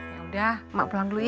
yaudah mak pulang dulu ya